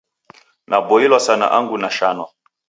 Naboilwa sana angu nashanwa.